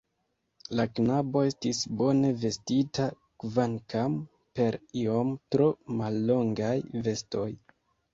La knabo estis bone vestita, kvankam per iom tro mallongaj vestoj.